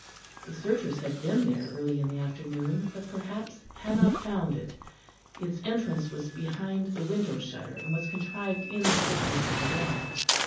The searchers had been there early in the afternoon, but perhaps had not found it; its entrance was behind the window shutter, and was contrived in the thickness of the wall.